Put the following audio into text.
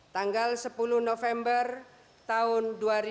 tanggal sepuluh november tahun dua ribu sembilan belas